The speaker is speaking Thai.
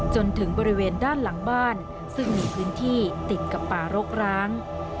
จนถึงบริเวณด้านหลังบ้านซึ่งมีพื้นที่ติดกับป่ารกร้าง